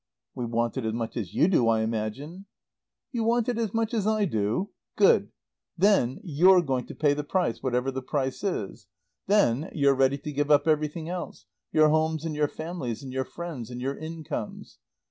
"We want it as much as you do, I imagine." "You want it as much as I do? Good. Then you're going to pay the price whatever the price is. Then you're ready to give up everything else, your homes and your families and your friends and your incomes.